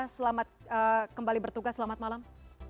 selamat kembali bertugas selamat malam